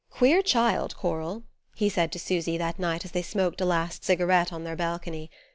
"Queer child, Coral," he said to Susy that night as they smoked a last cigarette on their balcony.